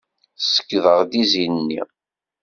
Ṣeyydeɣ-d izi-nni.